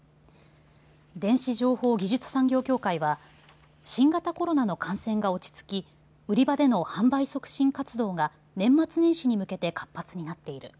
電子情報技術産業協会は新型コロナの感染が落ち着き売り場での販売促進活動が年末年始に向けて活発になっている。